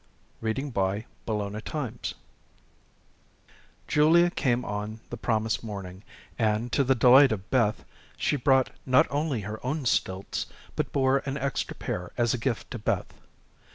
CHAPTER V Walking on Stilts Julia came on the promised morning, and, to the delight of Beth, she brought not only her own stilts, but bore an extra pair as a gift to Beth.